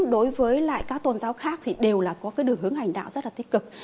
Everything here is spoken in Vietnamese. đối với các tôn giáo khác thì đều có đường hướng hành đạo rất là tích cực